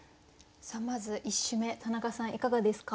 さあまず１首目田中さんいかがですか？